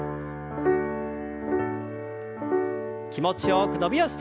気持ちよく伸びをして。